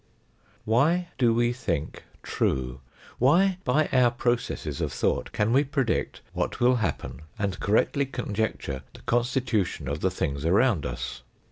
Why do we think true? Why, by our processes oi thought, can we predict what will happen, and correctly conjecture the constitution of the things around us